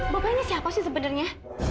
bapak ini siapa sih sebenarnya